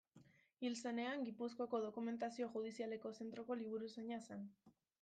Hil zenean, Gipuzkoako Dokumentazio Judizialeko Zentroko liburuzaina zen.